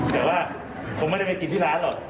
แต่ว่าผมไม่ได้ไปกินที่ร้านหรอก